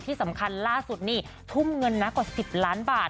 ที่สำคัญล่าสุดนี่ทุ่มเงินนะกว่า๑๐ล้านบาท